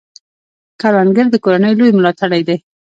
کروندګر د کورنۍ لوی ملاتړی دی